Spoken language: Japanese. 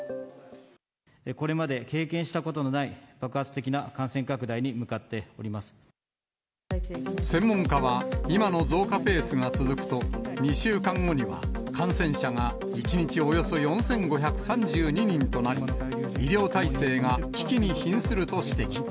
これまで経験したことのない爆発的な感染拡大に向かっており専門家は、今の増加ペースが続くと、２週間後には、感染者が１日およそ４５３２人となり、医療体制が危機にひんすると指摘。